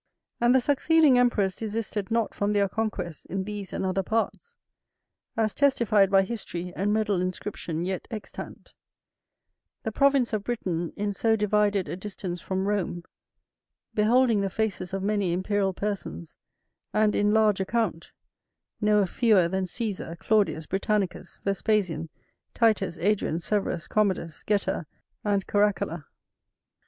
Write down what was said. And the succeeding emperors desisted not from their conquests in these and other parts, as testified by history and medal inscription yet extant: the province of Britain, in so divided a distance from Rome, beholding the faces of many imperial persons, and in large account; no fewer than Cæsar, Claudius, Britannicus, Vespasian, Titus, Adrian, Severus, Commodus, Geta, and Caracalla.